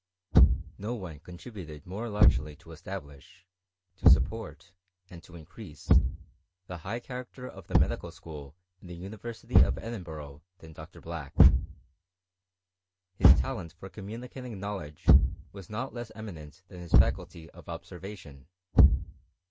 No one contributed more largely to establish, to 8up« CHE«I«TRT nr GBEAT BmiTAIK 331 iy and to increase, the high character of the medical School in the University of Edinburgh than Dr. Black. ^lis talent for communicating knowledge was not less Eminent than his faculty of observation.